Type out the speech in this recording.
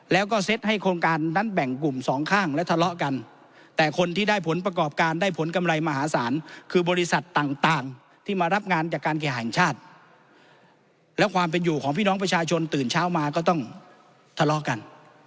แล้วก็เซ็ตให้โครงการนั้นแบ่งกลุ่มสองข้างและทะเลาะกันแต่คนที่ได้ผลประกอบการได้ผลกำไรมหาศาลคือบริษัทต่างที่มารับงานจากการแข่งชาติแล้วความเป็นอยู่ของพี่น้องประชาชนตื่นเช้ามาก็ต้องทะเลาะกัน